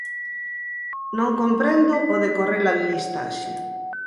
Non comprendo o de correr a listaxe.